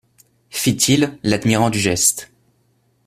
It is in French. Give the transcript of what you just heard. Fit-il, l'admirant du geste.